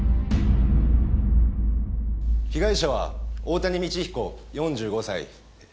被害者は大谷道彦４５歳。